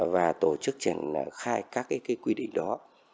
và tổ chức trình khai các quy định đó